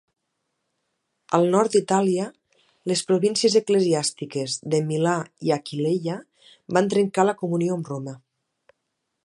Al nord d'Itàlia, les províncies eclesiàstiques de Milà i Aquileia van trencar la comunió amb Roma.